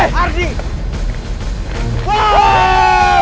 berhasil pak bener